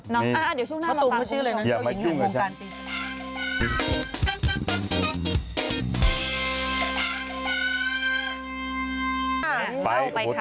น้องตาเดี๋ยวช่วงหน้ามาฟังคุณผู้ชอบอีกหนึ่งค่ะภูมิการตีสุดท้าย